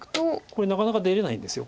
これなかなか出れないんです。